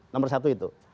nomor satu itu